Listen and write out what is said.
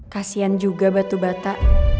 kasian juga batu bata